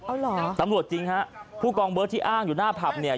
เอาเหรอตำรวจจริงฮะผู้กองเบิร์ตที่อ้างอยู่หน้าผับเนี่ย